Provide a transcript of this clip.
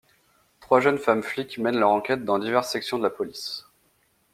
Trois jeunes femmes flics mènent leurs enquêtes dans diverses sections de la police.